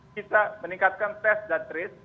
kita meningkatkan test dan trace